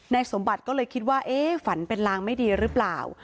สมบัติก็เลยคิดว่าเอ๊ะฝันเป็นลางไม่ดีหรือเปล่า